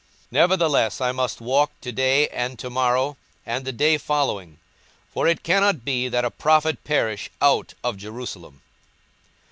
42:013:033 Nevertheless I must walk to day, and to morrow, and the day following: for it cannot be that a prophet perish out of Jerusalem.